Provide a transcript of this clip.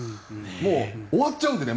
もう終わっちゃうんでね